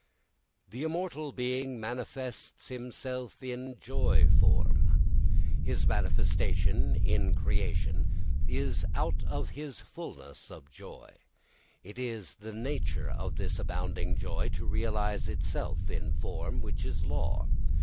The immortal being manifests himself in joy form. [Footnote: Ānandarūpamamritam yad vibhāti.] His manifestation in creation is out of his fullness of joy. It is the nature of this abounding joy to realise itself in form which is law.